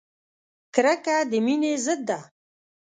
کرکه د مینې ضد ده!